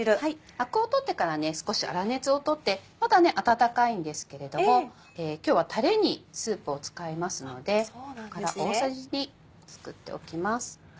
アクを取ってから少し粗熱をとってまだ温かいんですけれども今日はタレにスープを使いますのでここから大さじ２作っておきます。